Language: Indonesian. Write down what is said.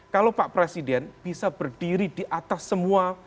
kalau pak presiden bisa berdiri di atas semua